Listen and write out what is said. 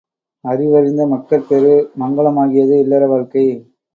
அறிவறிந்த மக்கட்பேறு மங்கலமாகியது இல்லற வாழ்க்கை.